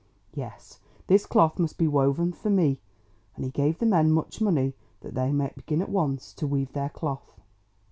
Yes, this cloth must be woven for me." And he gave the men much money that they might begin at once to weave their cloth.